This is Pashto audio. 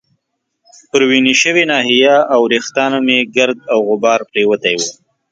پر وینې شوې ناحیه او وریښتانو يې ګرد او غبار پرېوتی وو.